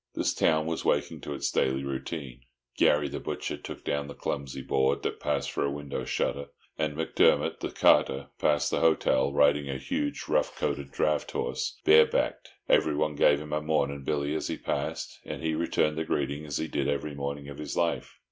The town was waking to its daily routine; Garry, the butcher, took down the clumsy board that passed for a window shutter, and McDermott, the carter, passed the hotel, riding a huge rough coated draught horse, bare backed. Everyone gave him a "Mornin', Billy!" as he passed, and he returned the greeting as he did every morning of his life.